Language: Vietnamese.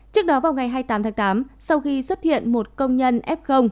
trước đó vào ngày hai mươi tám tháng tám sau khi xuất hiện một công nhân f